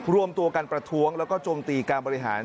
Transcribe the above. รวมตัวกันประท้วงแล้วก็โจมตีการบริหาร